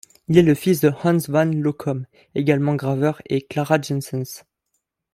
Il est le fils de Hans van Lochom, également graveur, et Clara Janssens.